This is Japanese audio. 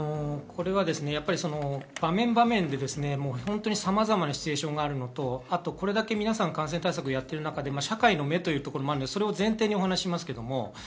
場面、場面でさまざまなシチュエーションがあるのと、皆さん感染対策をやってる中で、社会の目というところもあるので、それを前提に話します。